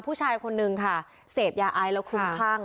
ผู้ชายคนนึงค่ะเสพยาไอแล้วคุ้มคลั่ง